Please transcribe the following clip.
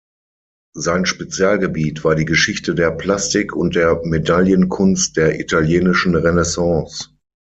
Sein Spezialgebiet war die Geschichte der Plastik und der Medaillenkunst der italienischen Renaissance'.